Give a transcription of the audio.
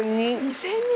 ２，０００人⁉